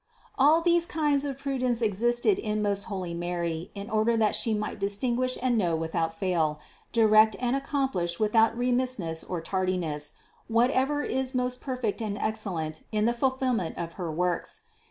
All these kinds of prudence existed in most holy Mary in order that She might distinguish and know without fail, direct and accomplish without remissness or tardiness, what ever is most perfect and excellent in the fulfillment of her works.